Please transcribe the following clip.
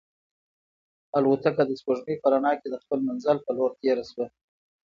الوتکه د سپوږمۍ په رڼا کې د خپل منزل په لور تېره شوه.